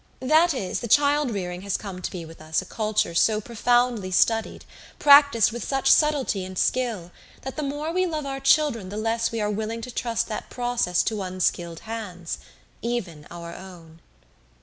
That is, the child rearing has come to be with us a culture so profoundly studied, practiced with such subtlety and skill, that the more we love our children the less we are willing to trust that process to unskilled hands even our own."